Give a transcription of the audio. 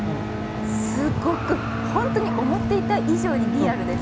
すっごくホントに思っていた以上にリアルです。